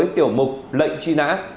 tiểu mục lệnh truy nã